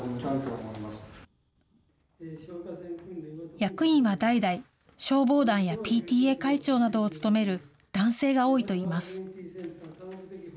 役員は代々、消防団やＰＴＡ会長などを務める男性が多いといいます。